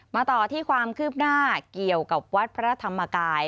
มาต่อที่ความคืบหน้าเกี่ยวกับวัดพระธรรมกาย